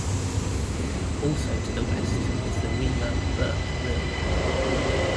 Also to the west is the Rima Birt rille.